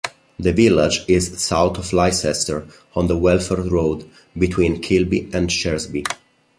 The village is south of Leicester, on the Welford Road, between Kilby and Shearsby.